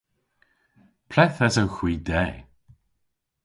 Ple'th esewgh hwi de?